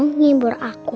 cuma mau ngibur aku